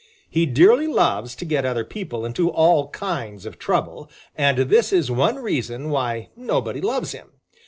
He dearly loves to get other people into all kinds of trouble, and this is one reason why nobody loves him.